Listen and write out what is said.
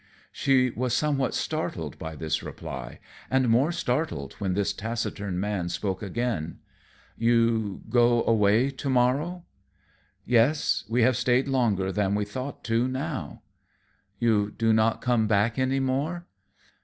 She was somewhat startled by this reply, and more startled when this taciturn man spoke again. "You go away to morrow?" "Yes, we have stayed longer than we thought to now." "You not come back any more?"